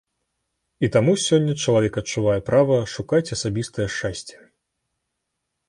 І таму сёння чалавек адчувае права шукаць асабістае шчасце.